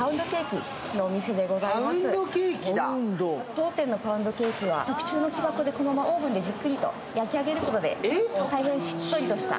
当店のパウンドケーキは特注の木箱に入れてオーブンでじっくり焼き上げることでしっとりとした。